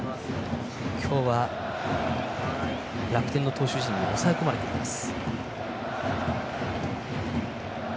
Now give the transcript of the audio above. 今日は楽天の投手陣に抑え込まれています。